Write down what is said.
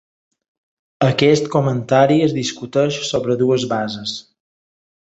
Aquest comentari es discuteix sobre dues bases.